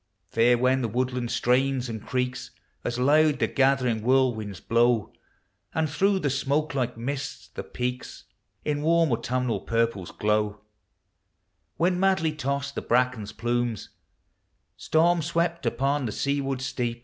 Fair when the woodland strains and creaks As loud the gathering whirlwinds bio*. And through the smoke like mists the PeM l„ wa rm autumnal purples glow; When madly toss the bracken splum« Btorm swepl upon the seaward steep, i.